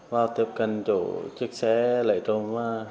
vào tiếp cận chỗ chiếc xe lấy tôm